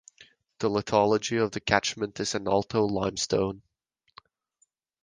The lithology of the catchment is Antalo Limestone.